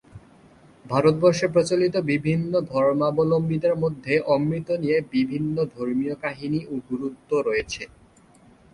ভারতবর্ষে প্রচলিত বিভিন্ন ধর্মাবলম্বীদের মধ্যে অমৃত নিয়ে বিভিন্ন ধর্মীয় কাহিনী ও গুরুত্ব রয়েছে।